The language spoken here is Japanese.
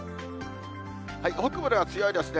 北部では強いですね。